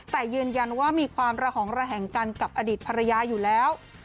แต่ยืนยันว่ามีความระหองระแหงกันกับอดีตภรรยาอยู่แล้ว